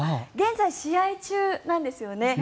現在、試合中なんですよね。